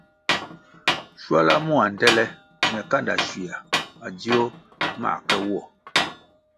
Schuala mua ndtele ñe kanda schuia madzio mãh ke wo.